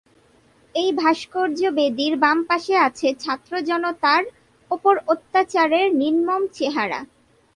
এ ভাস্কর্য বেদির বাম পাশে আছে ছাত্র-জনতার ওপর অত্যাচারের নির্মম চেহারা।